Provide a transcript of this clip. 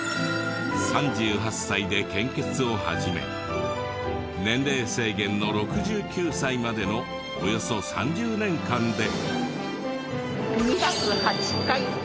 ３８歳で献血を始め年齢制限の６９歳までのおよそ３０年間で。